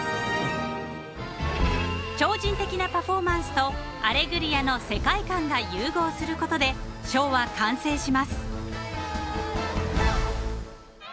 ［超人的なパフォーマンスと『アレグリア』の世界観が融合することでショーは完成します］